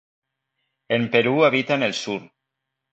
En Perú habita en el sur.